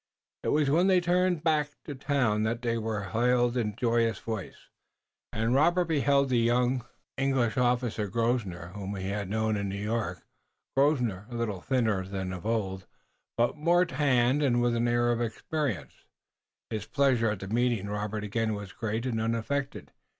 It was when they turned back to the town that they were hailed in a joyous voice, and Robert beheld the young English officer, Grosvenor, whom he had known in New York, Grosvenor, a little thinner than of old, but more tanned and with an air of experience. His pleasure at meeting Robert again was great and unaffected.